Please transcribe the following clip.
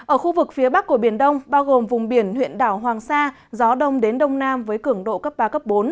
ở khu vực phía bắc của biển đông bao gồm vùng biển huyện đảo hoàng sa gió đông đến đông nam với cường độ cấp ba bốn